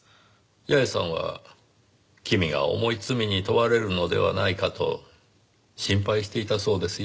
八重さんは君が重い罪に問われるのではないかと心配していたそうですよ。